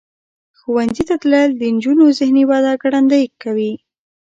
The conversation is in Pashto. ښوونځي ته تلل د نجونو ذهنی وده ګړندۍ کوي.